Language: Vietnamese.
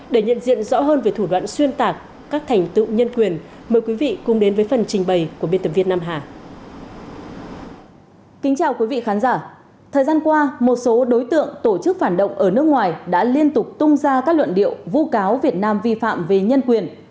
để nhận diện rõ hơn về thủ đoạn xuyên tạp các thành tựu nhân quyền